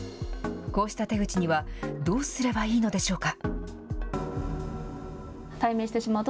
こうした手口にはどうすればいいのでしょうか。